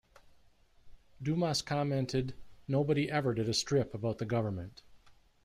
Dumas commented, Nobody ever did a strip about the government.